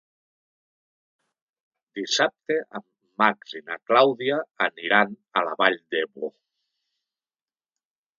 Dissabte en Max i na Clàudia aniran a la Vall d'Ebo.